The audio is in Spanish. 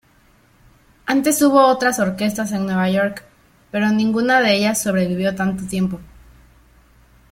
Antes hubo otras orquestas en Nueva York, pero ninguna de ellas sobrevivió tanto tiempo.